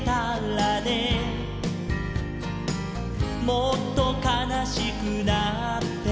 「もっとかなしくなって」